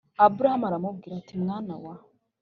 Aburahamu aramubwira ati mwana wa